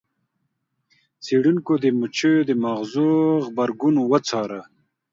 څیړونکو د مچیو د ماغزو غبرګون وڅاره.